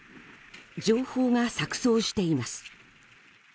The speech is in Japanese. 情報が錯綜しています。